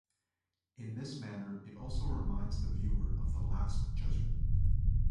In this manner it also reminds the viewer of the Last Judgment.